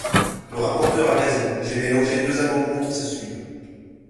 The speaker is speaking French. Le rapporteur a raison, j’ai mélangé deux amendements qui se suivent.